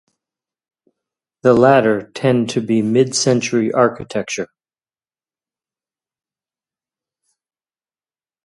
The latter tend to be Mid-Century architecture.